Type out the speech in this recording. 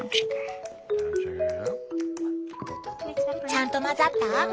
ちゃんと混ざった？